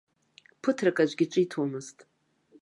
Ԥыҭрак аӡәгьы ҿиҭуамызт.